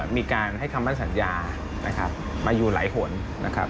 มีการให้คำมั่นสัญญานะครับมาอยู่หลายหนนะครับ